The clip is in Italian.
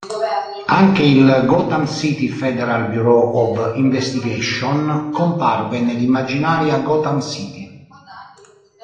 Anche il Gotham City Federal Bureau of Investigation comparve nell'immaginaria Gotham City.